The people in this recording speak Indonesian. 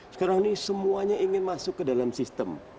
sekarang ini semuanya ingin masuk ke dalam sistem